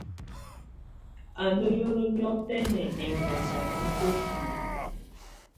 Á ná hìóló niɔ̀fɛna ɛŋganda yɛ́ bǝ́tulǝ́.